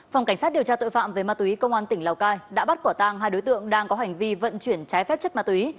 phòng cảnh sát điều tra tội phạm về ma túy công an tỉnh lào cai đã bắt quả tang hai đối tượng đang có hành vi vận chuyển trái phép chất ma túy